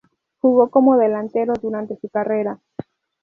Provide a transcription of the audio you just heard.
Jugó como delantero durante su carrera.